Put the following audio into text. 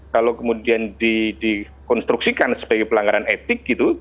kalau kemudian dikonstruksikan sebagai pelanggaran etik gitu